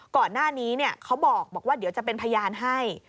ก่อนหน้านี้เขาบอกว่าเดี๋ยวจะเป็นพยานให้